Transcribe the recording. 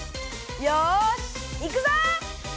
よしいくぞ！